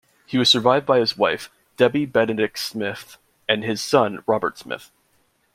He was survived by his wife, Debbie Benedict Smith and his son Robert Smith.